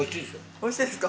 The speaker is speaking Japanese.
美味しいですか。